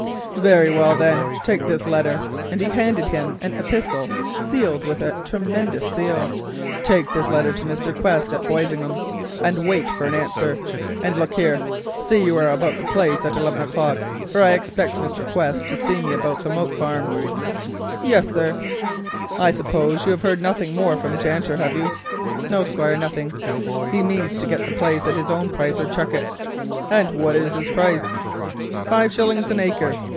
"Very well, then, take this letter," and he handed him an epistle sealed with a tremendous seal, "take this letter to Mr. Quest at Boisingham, and wait for an answer. And look here, mind you are about the place at eleven o'clock, for I expect Mr. Quest to see me about the Moat Farm." "Yis, Squire." "I suppose that you have heard nothing more from Janter, have you?" "No, Squire, nawthing. He means to git the place at his own price or chuck it." "And what is his price?" "Five shillings an acre.